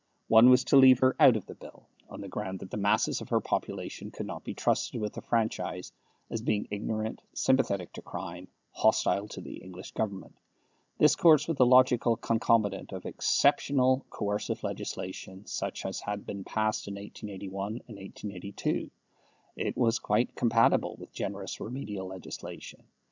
One was to leave her out of the Bill, on the ground that the masses of her population could not be trusted with the franchise, as being ignorant, sympathetic to crime, hostile to the English Government. This course was the logical concomitant of exceptional coercive legislation, such as had been passed in 1881 and 1882. It was quite compatible with generous remedial legislation.